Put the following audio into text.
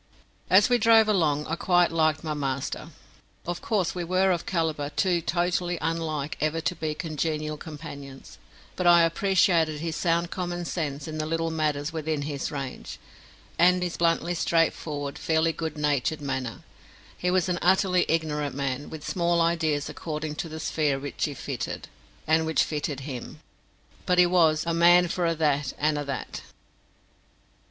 As we drove along, I quite liked my master. Of course, we were of calibre too totally unlike ever to be congenial companions, but I appreciated his sound common sense in the little matters within his range, and his bluntly straightforward, fairly good natured, manner. He was an utterly ignorant man, with small ideas according to the sphere which he fitted, and which fitted him; but he was "a man for a' that, an' a' that".